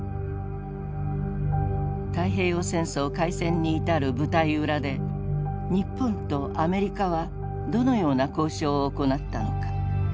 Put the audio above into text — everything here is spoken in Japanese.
太平洋戦争開戦に至る舞台裏で日本とアメリカはどのような交渉を行ったのか。